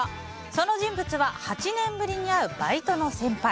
その人物は８年ぶりに会うバイトの先輩。